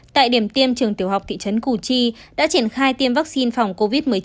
tại điểm tiêm trường tiểu học thị trấn cù chi đã triển khai tiêm vaccine phòng covid một mươi chín